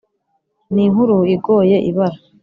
ni inkuru igoye ibara.